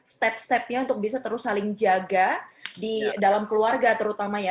step stepnya untuk bisa terus saling jaga di dalam keluarga terutama ya